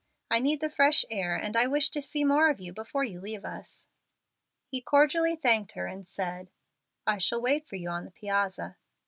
I need the fresh air, and I wish to see more of you before you leave us." He cordially thanked her and said, "I shall wait for you on the piazza."